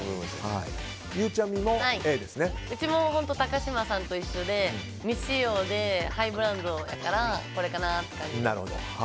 うちも本当高嶋さんと一緒で、未使用でハイブランドだからこれかなって感じです。